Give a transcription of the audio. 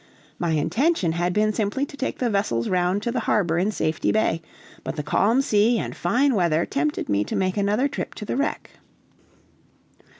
My intention had been simply to take the vessels round to the harbor in Safety Bay, but the calm sea and fine weather tempted me to make another trip to the wreck.